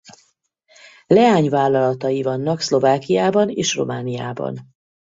Leányvállalatai vannak Szlovákiában és Romániában.